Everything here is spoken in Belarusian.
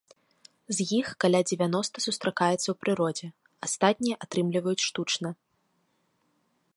З іх каля дзевяноста сустракаецца ў прыродзе, астатнія атрымліваюць штучна.